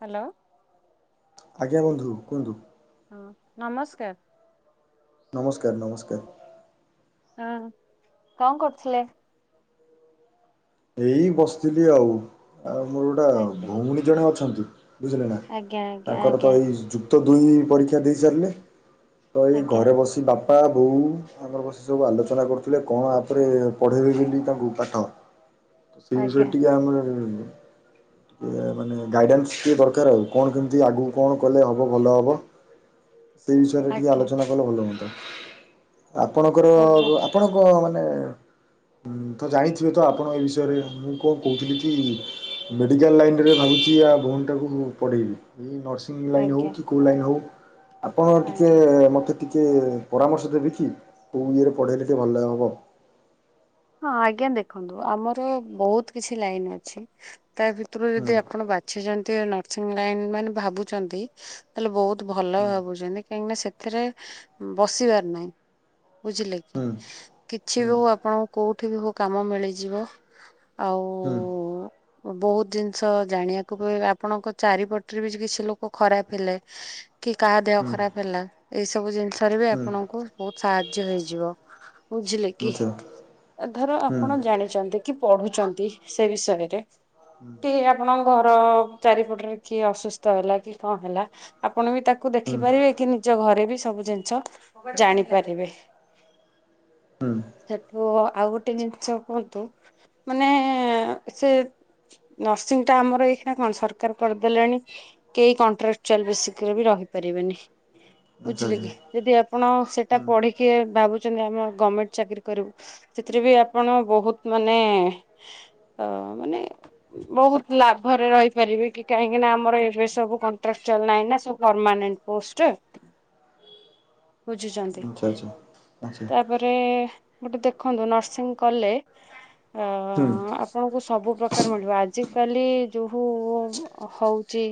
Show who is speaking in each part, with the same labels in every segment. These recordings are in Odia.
Speaker 1: ହ୍ୟାଲୋ।
Speaker 2: ଆଜ୍ଞା ବନ୍ଧୁ କୁହନ୍ତୁ।
Speaker 1: ହଁ ନମସ୍କାର।
Speaker 2: ନମସ୍କାର ନମସ୍କାର।
Speaker 1: ହଁ କଣ କରୁଥିଲେ?
Speaker 2: ଏଇ ବସିଥିଲି ଆଉ ଆଉ ମୋର ଗୋଟା
Speaker 1: ଆଜ୍ଞା
Speaker 2: ଭଉଣୀ ଜଣେ ଅଛନ୍ତି। ବୁଝିଲେ ନା
Speaker 1: ଆଜ୍ଞା ଆଜ୍ଞା
Speaker 2: ତାଙ୍କର ତ ଏଇ ଯୁ ଯୁକ୍ତ ଦୁଇ ପରୀକ୍ଷା ଦେଇସାରିଲେ ତ ଏଇ
Speaker 1: ଆଜ୍ଞା
Speaker 2: ଘରେ ବସି ବାପ ବାପା ବୋଉ ଆମର ବସି ସବୁ ଆଲୋଚନା କରୁଥିଲେ କଣ ଆପରେ ପଢ଼େଇବେକି ତାଙ୍କୁ ପାଠ। ସେ ବିଷୟରେ
Speaker 1: ଆଜ୍ଞା।
Speaker 2: ଟିକେ ଆମେ ମାନେ ଗାଇଡ଼ାନ୍ସ ଟିକିଏ ଦରକାର ଆଉ କଣ କେମିତି ଆଗକୁ କଣ କଲେ ହବ ଭଲ ହବ। ସେଇ ବିଷୟରେ ଟିକେ
Speaker 1: ଆଜ୍ଞା
Speaker 2: ଆଲୋଚନା କଲେ ଭଲ ହୁଅନ୍ତା ଆପଣଙ୍କର
Speaker 1: ଆଜ୍ଞା ଆଜ୍ଞା
Speaker 2: ଆପଣଙ୍କ ମାନେ ତ ଜାଣିଥିବେ ତ ଆପଣ ଏ ବି ପଢେଇବା ମୁଁ କଣ କହୁଥିଲି କି? ମେଡ଼ିକାଲ୍ ଲାଇନ୍ ରେ ଭାବୁଚି ଆ-ଭଉଣୀଟା କୁ ମୁଁ ପଢ଼େଇବି ଉଁ- ନର୍ସିଂ ଲାଇନ ହଉ
Speaker 1: ଆଜ୍ଞା
Speaker 2: କି କୋଉ ଲାଇନ ହଉ ଆପଣ ଟିକେ
Speaker 1: ଆଜ୍ଞା।
Speaker 2: ମତେ ଟିକେ ପରାମର୍ଶ ଦେବ କିି କେଉଁ ଇଏରେ ପଢ଼େଇଲେ ଟିକଏ ଭଲ ହେବ
Speaker 1: ହଁ ଆଜ୍ଞା ଦେଖନ୍ତୁ ଆମର ବହୁତ କିଛି ଲାଇନ ଅଛି ତା ଭିତରୁ
Speaker 2: ହୁଁ
Speaker 1: ଯଦି ଆପଣ ବା କିଛି ଯେମିତି ନର୍ସିଂ ଲାଇନ ମାନେ ଭାବୁଛନ୍ତି ତାହେଲେ ବହୁତ ଭଲ
Speaker 2: ହୁଁ
Speaker 1: ଭାବୁଛନ୍ତି କାହିଁକି ନା ସେଥିରେ ବସିବାର ନାହିଁ ବୁଝିଲେ କି
Speaker 2: ହୁଁ
Speaker 1: କିଛି ବି ହଉ ଆପଣ କୋଉଠି ବି ହଉ କାମ ମିଳିଯିବ ଆଉ
Speaker 2: ହୁଁ ହୁଁ ହୁଁ
Speaker 1: ବହୁତ ଜିନିଷ ଜାଣିବାକୁ ହୁଏ ଆପଣଙ୍କ ଚାରିପଟରେ ବି କିଛି ଲୋକ ଖରାପ ହେଲେ କି କାହା ଦେହ ଖରାପ ହେଲା। ଏଇ ସବୁ ଜିନିଷରେ ବି
Speaker 2: ହୁଁ
Speaker 1: ଆପଣଙ୍କୁ ବହୁତ ସାହାଯ୍ୟ ହେଇଯିବ ବୁଝିଲେ କି?
Speaker 2: ଆଚ୍ଛା
Speaker 1: ଧର
Speaker 2: ହୁଁ
Speaker 1: ଆପଣ ଜାଣିଛନ୍ତି କି ପଢୁଛନ୍ତି ସେ ବିଷୟରେ
Speaker 2: ହୁଁ
Speaker 1: କି ଆପଣଙ୍କ ଘର ଚାରି ଫଟରେ କିଏ ଅସୁସ୍ଥ ହେଲା କି କଣ ହେଲା ଆପଣ ବି ତାକୁ କୁ
Speaker 2: ହୁଁ
Speaker 1: ଦେଖିପାରିବେ କି ନିଜ ଘରେ ବି ସବୁ ଜିନିଷ ଜାଣିପାରିବେ। ସେଠୁ ଆଉ ଗୋଟେ ଜିନିଷ କୁହନ୍ତୁ ମାନେ ସେ ନର୍ସିଂଟା ଆମର ଏଇଖା କଣ ସରକାର କରିଦେଲେଣି। କେହି କଣ୍ଟ୍ରାକ୍ଚୁଆଲ ବେସିକ ରେ ବି ରହିପାରିବେନି
Speaker 2: ଆଚ୍ଛା ଆଚ୍ଛା
Speaker 1: ବୁଝିଲେ କି।
Speaker 2: ହୁଁ
Speaker 1: ଯଦି ଆପଣ ସେଟା ପଢିକି ଭାବୁଛନ୍ତି ଆମ ଗମେଣ୍ଟ ଚାକିରି କରିବୁ ସେଥିରେ ବି ଆପଣ ବହୁତ ମାନେ ଅ ମାନେ ବହୁତ ଲାଭରେ ରହିପାରିବେ କି କାହିଁକି ନା ଆମର ଏବେ ସବୁ କଣ୍ଟ୍ରାକ୍ଚୁଆଲ ନାହିଁ ନା ସବୁ ପରମାନେଣ୍ଟ। ପୋଷ୍ଟ ବୁଝୁଚନ୍ତି।
Speaker 2: ଆଚ୍ଛା ଆଚ୍ଛା ଆଚ୍ଛା
Speaker 1: ତାପରେ ଗୋଟେ ଦେଖନ୍ତୁ ନର୍ସିଂ କଲେ ଅ
Speaker 2: ହୁଁ
Speaker 1: ଆପଣଙ୍କୁ ସବୁ ପ୍ରକାର ମିଳିବ ଆଜିକାଲି ଯୋଉ ହଉଛି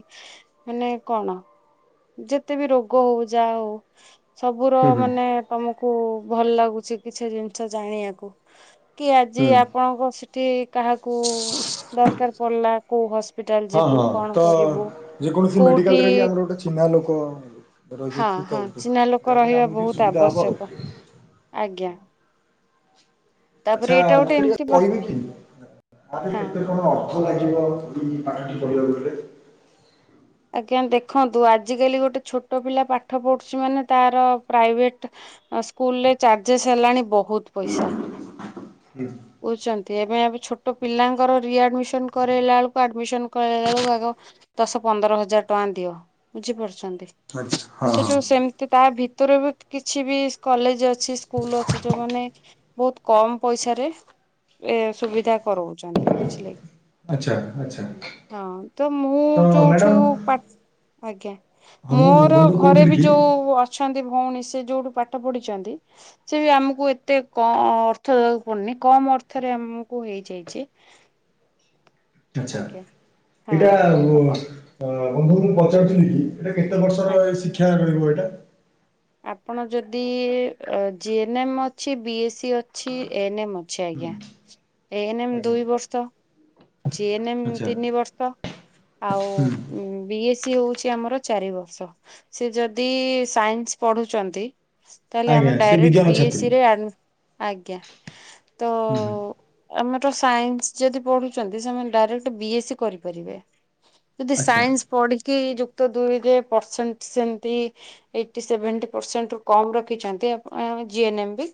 Speaker 1: ମାନେ କଣ ଯେତେ ବି ରୋଗ ହଉ ଯାହା ହଉ ସବୁର
Speaker 2: ହୁଁ ହୁଁ
Speaker 1: ମାନେ ତମକୁ ଭଲ ଲାଗୁଛି କିଛି ଜିନିଷ ଜାଣିଆକୁ କି ଆଜି
Speaker 2: ହୁଁ
Speaker 1: ଆପଣଙ୍କ କି କାହାକୁ ଦରକାର ପଡିଲା କୋଉ ହସ
Speaker 2: ହଁ ହଁ ତ ଯେକୌଣସି
Speaker 1: କୋଉଠି
Speaker 2: ମେଡିକାଲରେ ବି ଆମର ଗୋଟେ ଚିହ୍ନା ଲୋକ
Speaker 1: ହଁ
Speaker 2: ରହିଛି ତ
Speaker 1: ହଁ ଚିହ୍ନା ଲୋକ
Speaker 2: ଯା
Speaker 1: ରହିବା
Speaker 2: ଆମକୁ ଟିକେ
Speaker 1: ବହୁତ
Speaker 2: ସୁବିଧା ହବ।
Speaker 1: ଆବଶ୍ୟକ ଆଜ୍ଞା। ତାପରେ
Speaker 2: ଆଚ୍ଛା
Speaker 1: ଏଇଟା ଗୋଟେ
Speaker 2: ମତେ
Speaker 1: ଏମିତି
Speaker 2: ଟିକେ କହିବି କି ଆ ପାଇଁ
Speaker 1: ହଁ।
Speaker 2: କେତ କଣ ଅ [unintelligible] ଲାଗିବ ପାଠଟି ପଢ଼ିବାକୁ ଗଲେ।
Speaker 1: ଆଜ୍ଞା ଦେଖନ୍ତୁ ଆଜିକାଲି ଗୋଟେ ଛୋଟ ପିଲା ପାଠ ପଢୁଛି ମାନେ ତାର ପ୍ରାଇଭେଟ ଆଉ ସ୍କୁଲ ରେ ଚାର୍ଜେସ୍ ହେଲାଣି ବହୁତ ପଇସା।
Speaker 2: ହୁଁ।
Speaker 1: ବୁଛନ୍ତି ଏବେ ଏବେ ଛୋଟ ପିଲାଙ୍କର ରିଆଡମିସନ କରାଇଲା ବେଳକୁ ଆଡମିସନ କରାଇଲା ଏଳକୁ ଆଗ ଦଶ ପନ୍ଦର ହଜାର ଟଙ୍କା ଦିଅ ବୁଝିପାରୁଛନ୍ତି
Speaker 2: ଆଚ୍ଛା ହଁ ହଁ।
Speaker 1: ସେଠୁ ସେମ ତା ଭିତରେ ବି କିଛି ବି କଲେଜ ଅଛି ସ୍କୁଲ ଅଛି ଯୋଉମାନେ ବହୁତ କମ୍ ପଇସାରେ ଏ ସୁବିଧା କରଉଚନ୍ତି ବୁଝିଲେ।
Speaker 2: ଆଚ୍ଛା ଆଚ୍ଛା
Speaker 1: ଉଁ ହଁ ତ ମୁଁ
Speaker 2: ତ
Speaker 1: ଯୋଉଠୁ
Speaker 2: ମ୍ୟାଡ଼ାମ୍
Speaker 1: ପା ଆଜ୍ଞା
Speaker 2: ହଁ ମୁଁ
Speaker 1: ମୋର
Speaker 2: ବନ୍ଧୁ
Speaker 1: ଘରେ
Speaker 2: କହୁଥିଲି
Speaker 1: ବି
Speaker 2: କି
Speaker 1: ଯୋଉ ଅ ଅଛନ୍ତି ଭଉଣୀ ସେ ଯୋଉଠୁ ପାଠ ପଢିଛନ୍ତି ସେ ବି ଆମକୁ ଏତେ କର ଅର୍ଥ ପନି କମ ଅର୍ଥରେ ଆମକୁ ହେଇଯାଇଛି।
Speaker 2: ଆଛା
Speaker 1: ଆଜ୍ଞା ହଁ
Speaker 2: ଏଇଟା ଉଁ
Speaker 1: ଆପଣ
Speaker 2: ବନ୍ଧୁଙ୍କୁ ପଚାରୁଥିଲି କି? ଏଇଟା କେତେ ବର୍ଷର
Speaker 1: ଆଜ୍ଞା
Speaker 2: ଶିକ୍ଷା ରହିବ ଏଇଟା।
Speaker 1: ଆପଣ ଯଦି ଜିଏନ୍ଏମ୍ ଅଛି ବି ଏସ୍ ସି ଅଛି ଏ ଏନ୍ ଏମ୍
Speaker 2: ହୁଁ।
Speaker 1: ଏ ଏନ୍ ମ ଦୁଇ ବର୍ଷ। ଜି ଏନ ଏମ୍
Speaker 2: ଆଚ୍ଛା
Speaker 1: ତିନି ବର୍ଷ ଆଉ ବି ଏ ସି ହଉ ଚି ଆମର ଚାରି ବର୍ଷ ସେ ଯଦି ସାଇନସ ପଢୁଛନ୍ତି। ତାହେଲେ
Speaker 2: ଆଜ୍ଞା
Speaker 1: ଆମର
Speaker 2: ସେ
Speaker 1: ଡାଇରେକ୍ଟ
Speaker 2: ବିଜ୍ଞାନ ଛାତ୍ରୀ
Speaker 1: ବିଏସି ରେ ଆଜ୍ଞା ତ ଆମର ସାଇନ୍ସ ଯଦି ପଢୁଛନ୍ତି ସେମାନେ ଡାଇରେକ୍ଟ ବିଏସ୍ ସି କରିପାରିବେ। ଯଦି
Speaker 2: ଆଚ୍ଛା
Speaker 1: ସାଇନ୍ସ ପଢିକି ଯୁକ୍ତ ଦୁଇରେ ପରସେଣ୍ଟ ସେମିତି ଏଇଟି ସେଭେନଣ୍ଟି ପରସେଣ୍ଟ ରୁ କମ ରଖିଛନ୍ତି ଆପଣ ଜି ଏନ୍ ମ ବି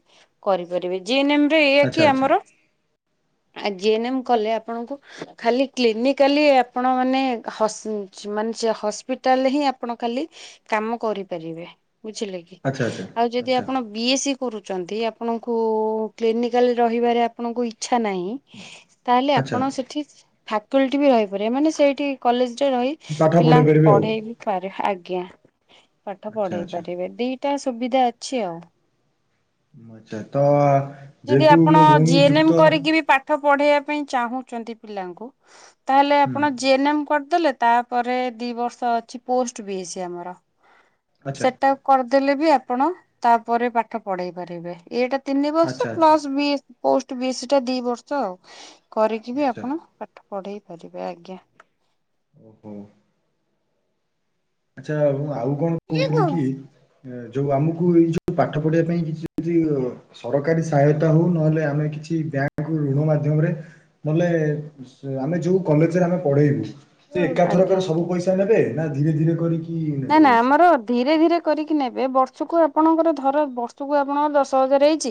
Speaker 1: କରିପାରିବେ। ଜିଏନ୍ଏମ ରେ ଏଇଆ
Speaker 2: ଆଚ୍ଛା
Speaker 1: କି
Speaker 2: ଆଚ୍ଛା
Speaker 1: ଆମର ଜେଏନଏମ୍ କଲେ ଆପଣଙ୍କୁ ଖାଲି କ୍ଲିନିକାଲି ଆପଣ ମାନେ ହସ ମାନେ ସେ ହସ୍ପିଟାଲରେ ହିଁ ଆପଣ ଖାଲି କାମ କରିପାରିବେ ବୁଝିଲେ କି।
Speaker 2: ଆଚ୍ଛା
Speaker 1: ଆଉ ଯଦି
Speaker 2: ଆଚ୍ଛା ଆଚ୍ଛା
Speaker 1: ଆପଣ ବି ଏସ୍ ସି କରୁଛନ୍ତି ଆପଣଙ୍କୁ କ୍ଲିନିକାଲ ରହିବାରେ ଆପଣଙ୍କୁ ଇଚ୍ଛା ନାହିଁ। ତାହେଲେ
Speaker 2: ଆଚ୍ଛା
Speaker 1: ଆପଣ ସେଠି ଫାକଲଟି ବି ରହିପାରିବେ। ମାନେ ସେଇଠି କଲେଜରେ ରହି
Speaker 2: ପାଠ ପଢ଼େଇ
Speaker 1: ପିଲାଙ୍କୁ
Speaker 2: ପାରିବେ ଆଉ
Speaker 1: ପଢେଇବି। ଆଜ୍ଞା ପାଠ
Speaker 2: ଆଚ୍ଛା
Speaker 1: ପଢେଇ
Speaker 2: ଆଚ୍ଛା
Speaker 1: ପାରିବେ ଦିଟା ସୁବିଧା ଅଛି ଆଉ।
Speaker 2: ଆଛା ତ
Speaker 1: ଯଦି
Speaker 2: ଯେହେତୁ
Speaker 1: ଆପଣ
Speaker 2: ମୋ ଭଉଣୀ
Speaker 1: ଜି ଏନ୍
Speaker 2: ଯୁକ୍ତ
Speaker 1: ଏମ୍ କରିକି ବି ପା ପା ପଢେଇବା ପାଇଁ ଚାହୁଁଛନ୍ତି ପିଲାଙ୍କୁ ତାହେଲେ
Speaker 2: ହୁଁ
Speaker 1: ଆପଣ ଜି ଏନ୍ ଏମ୍ କରିଦଲେ। ତାପରେ ଦି ବର୍ଷ ଅଛି ପୋଷ୍ଟ ବିଏସି ଆମର
Speaker 2: ଆଚ୍ଛା
Speaker 1: ସେଟା କରିଦେଲେ ବି ଆପଣ ତାପରେ ପାଠ ପଢେଇ ପାରିବେ ଏଇଟା ତିନି
Speaker 2: ଆଚ୍ଛା
Speaker 1: ବର୍ଷ।
Speaker 2: ଆଚ୍ଛା
Speaker 1: ପ୍ଲସ୍ ବି ପୋଷ୍ଟ ବି ଏ ସି ଦି ବର୍ଷ ଆଉ କରିକି ବି
Speaker 2: ଆଚ୍ଛା
Speaker 1: ଆପଣ ପାଠ ପଢ଼େଇ ପାରିବେ ଆଜ୍ଞା।
Speaker 2: ଓହୋ। ଆଚ୍ଛା ମୁଁ ଆଉ କଣ କହୁଥିଲି
Speaker 1: ଆଜ୍ଞା।
Speaker 2: କି? ଯୋଉ ଆମକୁ ଏଇ ଯୋଉ ପାଠ ପଢିବା ପାଇଁ କିଛି ଅ ସରକାରୀ ସହାୟତା ହଉ ନହେଲେ ଆମେ କିଛି ବ୍ୟାଙ୍କ ଋଣ ମାଧ୍ୟମରେ ମଲେ ଆମେ ଯୋଉ କଲେଜରେ ଆମେ ପଢେଇବୁ। ସେ
Speaker 1: ଆଜ୍ଞା
Speaker 2: ଏକାଥରକରେ ସବୁ
Speaker 1: ଆଜ୍ଞା।
Speaker 2: ପଇସା ନେବେ ନା ଧୀରେ ଧୀରେ କରିକି
Speaker 1: ନା
Speaker 2: ନେବେ
Speaker 1: ନା
Speaker 2: ପଇସା
Speaker 1: ଆମର ଧୀରେ ଧୀରେ କରିକି ନେବେ ବର୍ଷକୁ ଆପଣଙ୍କର ଧର ବର୍ଷକୁ ଆପଣଙ୍କର ଦଶ ହଜାର ହେଇଛି।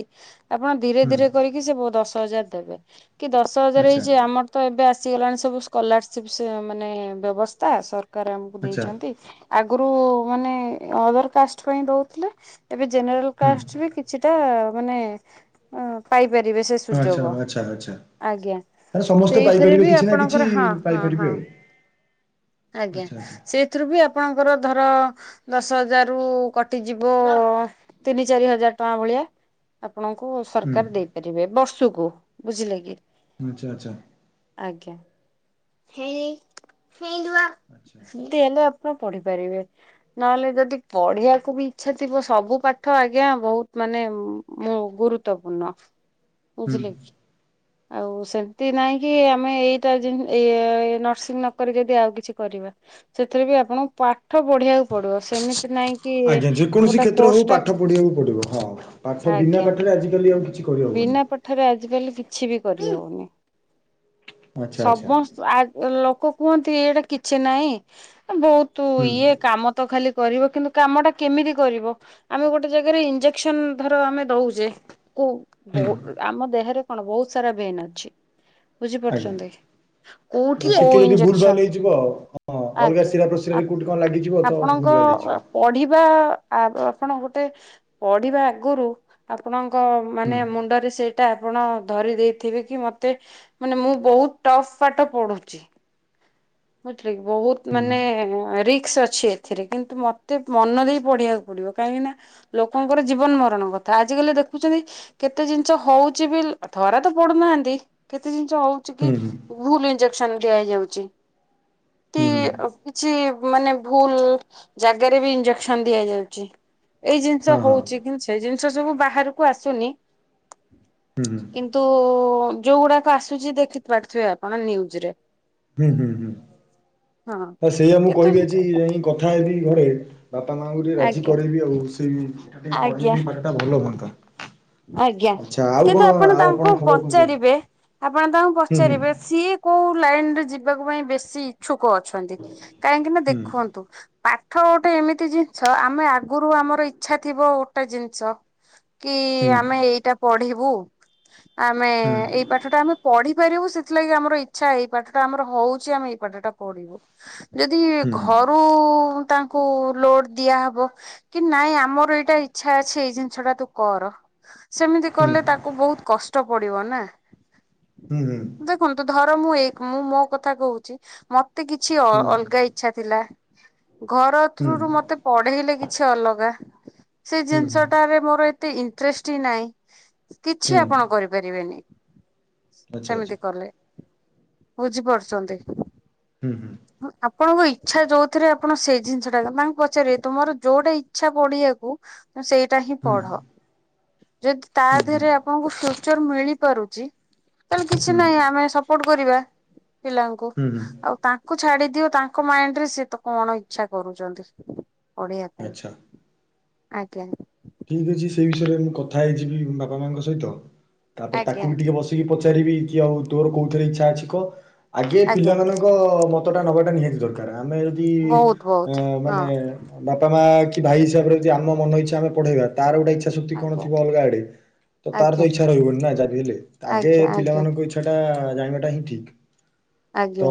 Speaker 1: ଆପଣ ଧୀରେ
Speaker 2: ହୁଁ
Speaker 1: ଧୀରେ କରିକି ସେ ଦଶ ହଜାର ଦେବେ। କି ଦଶ ହଜାର
Speaker 2: ଆଚ୍ଛା
Speaker 1: ହେଇଛି ଆମର ତ ଏବେ ଆସିଗଲାଣି ସବୁ ସ୍କଲାରସିପ ମାନେ ବ୍ୟବସ୍ଥା ସରକାର ଆମକୁ
Speaker 2: ଆଚ୍ଛା
Speaker 1: ଦେଇଛନ୍ତି। ଆଗରୁ ମାନେ ଅଦର କାଷ୍ଟ ପାଇଁ ଦଉଥିଲେ। ଏବେ ଜେନେରାଲ
Speaker 2: ହୁଁ
Speaker 1: କାଷ୍ଟ ବି କିଛିଟା ମାନେ ପାଇପାରିବେ ସେ।
Speaker 2: ଆଚ୍ଛା
Speaker 1: ସୁଯୋଗ
Speaker 2: ଆଚ୍ଛା ଆଚ୍ଛା
Speaker 1: ଆଜ୍ଞା।
Speaker 2: ମାନେ ସମସ୍ତେ
Speaker 1: ସେଇଥିରେ
Speaker 2: ପାଇପାରିବେ
Speaker 1: ବି
Speaker 2: କିଛି ନା କିଛି
Speaker 1: ଆପଣଙ୍କର ହଁ ହଁ
Speaker 2: ପାଇପାରିବେ
Speaker 1: ହଁ
Speaker 2: ଆଉ।
Speaker 1: ଆଜ୍ଞା।
Speaker 2: ଆଚ୍ଛା ଆଚ୍ଛା
Speaker 1: ସେ ସେଥିରୁ ବି ଆପଣଙ୍କର ଧର ଦଶ ହଜାର ରୁ କଟିଯିବ ତିନି ଚାରି ହଜାର ଟଙ୍କା ଭଳିଆ। ଆପଣଙ୍କୁ
Speaker 2: ହୁଁ
Speaker 1: ସରକାର ଦେଇପାରିବେ ବର୍ଷକୁ ବୁଝିଲେ କି?
Speaker 2: ଆଚ୍ଛା ଆଚ୍ଛା।
Speaker 1: ଆଜ୍ଞା। ହେଇ ହେଇ ନୂଆ,
Speaker 2: ଆଚ୍ଛା
Speaker 1: ଏମିତି ହେଲେ ଆପଣ ପଢିପାରିବେ। ନହେଲେ ଯଦି ପଢିବାକୁ ବି ଇଚ୍ଛା ଥିବ ସବୁ ପାଠ ଆଜ୍ଞା ବହୁତ ମାନେ ମୁଁ ଗୁରୁତ୍ୱପୂର୍ଣ୍ଣ।
Speaker 2: ହୁଁ।
Speaker 1: ବୁଝିଲେ କି ଆଉ ସେମିତି ନାଇଁ କି ଆମେ ଏଇଟା ଜି ଏଇ ନର୍ସିଂ ନକରି ଯଦି ଆଉ କିଛି କରିବା ସେଥିରେ ବି ଆପଣ ପାଠ ବଢିବାକୁ
Speaker 2: ଆଜ୍ଞା ଯେକୌଣସି
Speaker 1: ଗୋଟେ
Speaker 2: କ୍ଷେତ୍ର
Speaker 1: କୋର୍ସ
Speaker 2: ହଉ
Speaker 1: ଟା
Speaker 2: ପାଠ ପଢିବାକୁ ପଡିବ ହଁ। ପାଠ ବିନା
Speaker 1: ଆଜ୍ଞା
Speaker 2: ପାଠରେ ଆଜିିକାଲି ଆଉ କିଛି କରିହବନି।
Speaker 1: ବିନା ପାଠରେ ଆଜିକାଲି କିଛି ବି କରିହଉନି।
Speaker 2: ଆଚ୍ଛା ଆଚ୍ଛା
Speaker 1: ସମସ୍ତ ଆ ଲୋକ କୁହନ୍ତି ଏଇଟା କିଛି ନାହିଁ। ବହୁତ
Speaker 2: ହୁଁ
Speaker 1: ଇଏ କାମ ତ ଖାଲି କରିବ କିନ୍ତୁ କାମଟା କେମିତି କରିବ ଆମେ ଗୋଟେ ଜାଗାରେ ଇଞ୍ଜେକ୍ସନ ଧର ଆମେ ଦଉଛେ। କ
Speaker 2: ହୁଁ
Speaker 1: ହୋ ଆମ ଦେହରେ କଣ ବହୁତ ସାରା ଭେନ୍ ଅଛି। ବୁଝି
Speaker 2: ଆଜ୍ଞା।
Speaker 1: ପାରୁଛନ୍ତି? କୋଉଠି
Speaker 2: ଅ, ଟିକେ
Speaker 1: କହୁ
Speaker 2: ଯଦି ଭୁଲ ଭାଲ
Speaker 1: ଇଞ୍ଜେକ୍ସନ୍?
Speaker 2: ହେଇଯିବ ହଁ ଅଲଗା
Speaker 1: ଆଜ୍ଞା।
Speaker 2: ଶିରା ପ୍ରଶିରାରେ କୋଉଠି କଣ ଲାଗିଯିବ ତ ଭୁଲ
Speaker 1: ଆପଣଙ୍କ
Speaker 2: ଭାଲ ହେଇଯିବ।
Speaker 1: ପଢିବା, ଆପଣ ଗୋଟେ ପଢିବା ଆଗରୁ ଆପଣଙ୍କ ମାନେ ମୁଣ୍ଡରେ ସେଇ ଟା ଆପଣ ଧରି ଦେଇଥିବେ କି ମତେ ମାନେ ମୁଁ ବୋହୁତ୍ ଟଫ ପାଠ ପଢୁଛି। ବଝିଲ କି ବୋହୁତ୍ ମାନେ ରିକ୍ସ ଅଛି। ଏଥିରେ କିନ୍ତୁ ମତେ ମନ ଦେଇ ପଢିବାକୁ ପଡିବ କାହିଁକି ନା ଲୋକଙ୍କର ଜୀବନ ମରଣ କଥା ଆଜି କାଲି ଦେଖୁଛନ୍ତି କେତେ ଜିନିଷ ହଉଛି ବି ଧରା ତ ପଡୁନାହାନ୍ତି। କେତେ ଜିନିଷ ହଉ ଚିକି
Speaker 2: ହୁଁ ହୁଁ
Speaker 1: ଭୁଲ ଇଞ୍ଜେକ୍ସନ ଦିଆ ହେଇଯାଉଛି।
Speaker 2: ହୁଁ ହୁଁ
Speaker 1: ଏମିତି କିଛି ମାନେ ଭୁଲ୍ ଜାଗାରେ ବି ଇଞ୍ଜେକ୍ସନ ଦିଆ ହେଇଯାଉଛି। ଏଇ ଜିନିଷ
Speaker 2: ହଁ ହଁ
Speaker 1: ହଉଛି କି ସେ ଜିନିଷ ସବୁ ବାହାରକୁ ଆସୁନି
Speaker 2: ହୁଁ ହୁଁ।
Speaker 1: କିନ୍ତୁ ଯୋଉଗୁଡାକ ଆସୁଛି ଦେଖି ପାରୁଥିବେ ଆପଣ ନିଉଜ୍ ରେ
Speaker 2: ହୁଁ ହୁଁ ହୁଁ।
Speaker 1: ହଁ।
Speaker 2: ତ ସେଇଆ ମୁଁ
Speaker 1: କିନ୍ତୁ
Speaker 2: କହିବି ଆଜି ଏଇ କଥା ହେବି ଘରେ ବାପା ମାଆଙ୍କୁ ଟିକେ ରାଜି
Speaker 1: ଆଜ୍ଞା
Speaker 2: କରାଇବି ଆଉ, ସେଇ ଏଇଟା ଟିକେ
Speaker 1: ଆଜ୍ଞା
Speaker 2: ପଢ଼େଇଲେ ପାଠଟା ଭଲ ହୁଅନ୍ତା।
Speaker 1: ଆଜ୍ଞା।
Speaker 2: ଆଚ୍ଛା ଆଉ
Speaker 1: କିନ୍ତୁ
Speaker 2: କଣ
Speaker 1: ଆପଣ
Speaker 2: ଆଉ
Speaker 1: ତାଙ୍କୁ
Speaker 2: ଆପଣଙ୍କ ଖବର କଣ କୁହନ୍ତୁ?
Speaker 1: ପଚାରିବେ ଆପଣ ତାଙ୍କୁ
Speaker 2: ହୁଁ
Speaker 1: ପଚାରିବେ, ସିଏ କୋଉ ଲାଇନ ରେ ଯିବା ପାଇଁ ବେଶୀ ଇଛୁକ ଅଛନ୍ତି, କାହିଁକି ନା
Speaker 2: ହୁଁ
Speaker 1: ଦେଖନ୍ତୁ ପାଠ ଗୋଟେ ଏମିତି ଜିନିଷ, ଆମେ ଆଗରୁ ଆମର ଇଛା ଥିବ ଗୋଟେ ଜିନିଷ କି
Speaker 2: ହୁଁ
Speaker 1: ଆମେ ଏଇଟା ପଢିବୁ ଆମେ
Speaker 2: ହୁଁ
Speaker 1: ଏଇ ପାଠ ଟା ଆମେ ପଢିପାରିବୁ ସେଥିଲାଗି ଆମର ଇଚ୍ଛା ଏଇ ପାଠଟା ଆମର ହଉଛି ଆମେ ଏଇ ପାଠଟା ପଢିବୁ ଯଦି
Speaker 2: ହୁଁ
Speaker 1: ଘରୁ ତାଙ୍କୁ ଲୋଡ ଦିଆ ହବ କି ନାଇଁ ଆମର ଏଇଟା ଇଚ୍ଛା ଅଛି ଏଇ ଜିନିଷ ଟା ତୁ କର ସେମିତି
Speaker 2: ହୁଁ
Speaker 1: କଲେ ତାକୁ ବହୁତ କଷ୍ଟ ପଡିବ ନା
Speaker 2: ହୁଁ ହୁଁ।
Speaker 1: ଦେଖନ୍ତୁ ଧର ମୁଁ ଏକ ମୁଁ ମୋ କଥା କହୁଛି ମତେ କିଛି
Speaker 2: ହୁଁ
Speaker 1: ଅଲଗା ଇ ଇଛା ଥିଲା ଘର ଥ୍ରୁରୁୁ ମତେ ପଢେଇଲେ କିଛି ଅଲଗା ସେ
Speaker 2: ହୁଁ ହୁଁ
Speaker 1: ଜିନିଷଟାରେ ମୋର ଏତେ ଇଣ୍ଟରେଷ୍ଟ ହିଁ ନାହିଁ କିଛି
Speaker 2: ହୁଁ
Speaker 1: ଆପଣ କରିପାରିବେନି
Speaker 2: ଆଚ୍ଛା ଆଚ୍ଛା
Speaker 1: ସେମିତି କଲେ ବୁଝିପାରୁଛନ୍ତି।
Speaker 2: ହୁଁ ହୁଁ।
Speaker 1: ଆପଣଙ୍କ ଇଚ୍ଛା ଯୋଉଥିରେ ଆପଣ ସେ ଜିନିଷ ଟା ତାଙ୍କୁ ପଚାରିବେ ତୁମର ଯୋଉଟା ଇଛା ପଢିବାକୁ ସେଇଟା ହିଁ
Speaker 2: ହୁଁ
Speaker 1: ପଢ। ଯଦି ତା
Speaker 2: ହୁଁ
Speaker 1: ଦେହରେ ଆପଣଙ୍କୁ ଫ୍ୟୁଚର ମିଳି ପାରୁଛି ତାହେଲେ କିଛି
Speaker 2: ହୁଁ
Speaker 1: ନାହିଁ ଆମେ ସ ସପଟ କରିବା ପିଲାଙ୍କୁ,
Speaker 2: ହୁଁ ହୁଁ
Speaker 1: ଆଉ ତାଙ୍କୁ ଛାଡି ଦିଅ ତାଙ୍କ ମାଇଣ୍ଡ ରେ ସିଏ ତ କଣ ଇଛା କରୁଛନ୍ତି। ପଢିବା ପାଇଁ।
Speaker 2: ଆଚ୍ଛା
Speaker 1: ଆଜ୍ଞା।
Speaker 2: ଠିକ୍ ଅଛି, ସେଇ ବିଷୟରେ ମୁଁ କଥା ହେଇଯିବି ବାପା ମାଙ୍କ ସହିତ, ତାପରେ
Speaker 1: ଆଜ୍ଞା
Speaker 2: ତାକୁ ବି ଟିକେ ବସ ପଚାରିବି କି ଆଉ ତୋର କୋଉଥିରେ ଇଛା ଅଛି କହ। ଆଗେ
Speaker 1: ଆଜ୍ଞା
Speaker 2: ପିଲାମାନଙ୍କ ମ ମତଟା ନବାଟା ନିହାତି ଦରକାର। ଆମେ ଯଦି
Speaker 1: ବହୁତ ବହୁତ
Speaker 2: ଆ ମାନେ ବାପା ମା କି ଭାଇ ହିସାବରେ ଜଦୀ ଆମ ମନ ଇଛା ଆମେପଢେଇବା ତାର ଗୋଟେଇଛା ସକ୍ତି କଣ ଥିବ
Speaker 1: ହଁ
Speaker 2: ଅଲଗା ଆଡେ, ତାର ତ
Speaker 1: ଆଜ୍ଞା।
Speaker 2: ଇଛା ରହିବନି ନା ଯାହା ବି ହେଲେ, ଆଗେ
Speaker 1: ଆଜ୍ଞା ଆଜ୍ଞା ଆଜ୍ଞା
Speaker 2: ପିଲାମାନଙ୍କ ଇଚ୍ଛା ସେଟା ଜାଣିବାଟା ହିଁ ଠିକ୍, ତ
Speaker 1: ଆଜ୍ଞା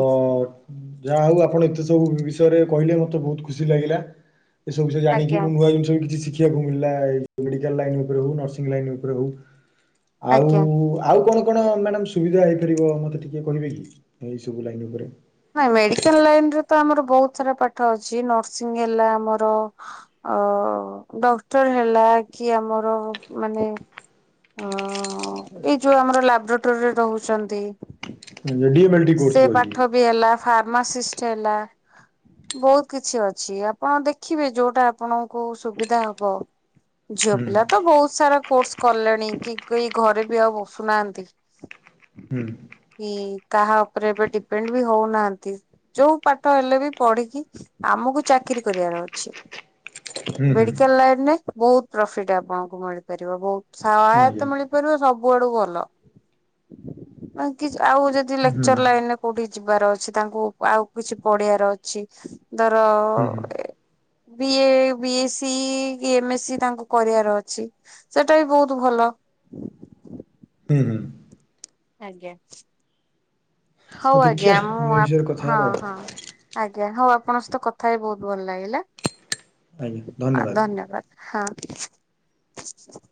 Speaker 2: ଯାହା ହଉ ଆପଣ ଏତେ ସବୁ ବିଷୟରେ କହିଲେ, ମତେ ବହୁତ ଖୁସି ଲାଗିଲା। ଏ ସବୁ ବିଷୟ ଜାଣିକି
Speaker 1: ଆଜ୍ଞା
Speaker 2: ମୁଁ ନୂଆ ଜିନିଷ ବି କିଛି ଶିଖିବାକୁ ମିଳିଲା ମେଡିକାଲ ଲାଇନ୍ ଉପରେ ହଉ ନର୍ସିଂ ଲାଇନ୍ ଉପରେ ହଉ ଆଉ,
Speaker 1: ଆଜ୍ଞା।
Speaker 2: ଆଉ କଣ କଣ ମ୍ୟାଡମ୍ ଅ ସୁବିଧା ହେଇପାରିବ ମୋତେ ଟିକଏ କହିବେ କି ଏହିଇସବୁ ଲାଇନ୍ ଉପରେ?
Speaker 1: ନାଇଁ ମେଡିକାଲ ଲାଇନ୍ ରେ ତ ଆମର ବୋହୁତ୍ ସାରା ପାଠ ଅଛି, ନର୍ସିଂ ହେଲା ଆମର ଅ ଡକ୍ଟର ହେଲା କି ଆମର ମାନେ ଓ ଏଇ ଯୋଉ ଆମର ଲାବୋରେଟୋରୀରେ ରହୁଛନ୍ତି।
Speaker 2: ଡିଏମଏଲଟି କୋର୍ସ
Speaker 1: ସେ
Speaker 2: କହିଲି
Speaker 1: ପାଠ ବି ହେଲା ଫାର୍ମାସିଷ୍ଟ ହେଲା। ବହୁତ କିଛି ଅଛି ଆପଣ ଦେଖିବେ ଯୋଉଟା ଆପଣଙ୍କୁ ସୁବିଧା ହବ। ଝିଅ
Speaker 2: ହୁଁ
Speaker 1: ପିଲା ତ ବହୁତ ସାରା କୋର୍ସ କଲେଣି କି କେହି ଘରେ ବି ଆଉ ବସୁନାହାନ୍ତି
Speaker 2: ହୁଁ
Speaker 1: କି ତାହା ଉପରେ ଏବେ ଡିପେଣ୍ଡ ବି ହଉନାହାନ୍ତି। ଯୋଉଁ ପାଠ ହେଲେ ବି ପଢିକି ଆମକୁ ଚାକିରି କରିବାର ଅଛି।
Speaker 2: ହୁଁ ହୁଁ।
Speaker 1: ମେଡିକାଲ ଲାଇନ ରେ ବହୁତ ପ୍ରଫିଟ ଆପଣଙ୍କୁ ମିଳିପାରିବ ବହୁତ ସହାୟତା
Speaker 2: ଆଜ୍ଞା
Speaker 1: ମିଳି ସବୁଆଡୁ ଭଲ ଆଉ ଯଦି
Speaker 2: ହୁଁ ହୁଁ
Speaker 1: ଲେକ୍ଚର ଲାଇନ କୋଉଠି ଯିବାର ଅଛି ତାଙ୍କୁ ଆଉ କିଛି ପଢିବାର ଅଛି ଧର
Speaker 2: ହୁଁ
Speaker 1: B A, B S C, କି ଏମ ଏସ୍ ସି, ତାଙ୍କୁ କରିବାର ଅଛି। ସେଟା ବି ବହୁତ ଭଲ।
Speaker 2: ହୁଁ ହୁଁ।
Speaker 1: ଆଜ୍ଞା, ହଉ
Speaker 2: ଦେଖିଆ
Speaker 1: ଆଜ୍ଞା,
Speaker 2: ଆମେ
Speaker 1: ମୁଁ
Speaker 2: ଏ ବିଷୟରେ କଥା
Speaker 1: ହଁ
Speaker 2: ହବା ଆଉ
Speaker 1: ହଁ। ଆଜ୍ଞା ହଉ ଆପଣଙ୍କ ସହିତ କଥା ହ ବହୁତ ଭଲ ଲାଗିଲା ଧନ୍ୟବାଦ। ହଁ।